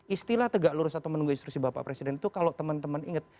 istilah tegak lurus atau menunggu instruksi bapak presiden itu kalau teman teman ingat